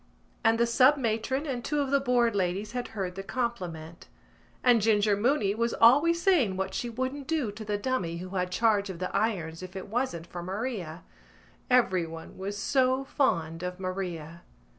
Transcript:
And the sub matron and two of the Board ladies had heard the compliment. And Ginger Mooney was always saying what she wouldn't do to the dummy who had charge of the irons if it wasn't for Maria. Everyone was so fond of Maria.